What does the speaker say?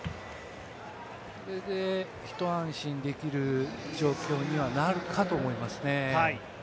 これで一安心できる状況にはなるかと思いますね。